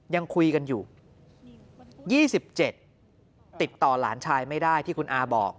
ยังคุยกันอยู่๒๗ติดต่อหลานชายไม่ได้ที่คุณอาบอก